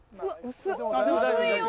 薄いよ